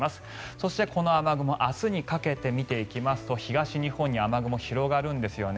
そしてこの雨雲明日にかけて見ていきますと東日本に雨雲が広がるんですよね。